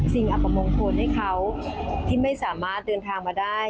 อัปมงคลให้เขาที่ไม่สามารถเดินทางมาได้